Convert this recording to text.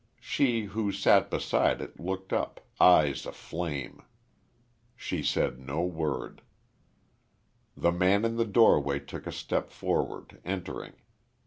She, who sat beside it, looked up, eyes aflame. She said no word. The man in the doorway took a step forward, entering.